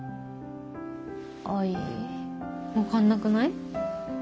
分かんなくない？